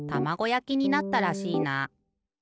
やきになったらしいな。